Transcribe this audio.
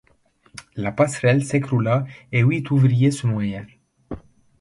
La passerelle s'écroula et huit ouvriers se noyèrent.